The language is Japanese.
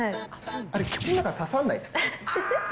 あれ、口の中、刺さらないですか？